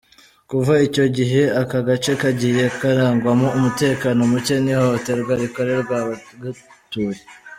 Kuva icyo gihe aka gace kagiye karangwamo umutekano mucye n’ihohoterwa rikorerwa abagatuye.